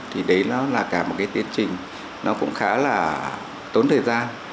thì đấy nó là cả một cái tiến trình nó cũng khá là tốn thời gian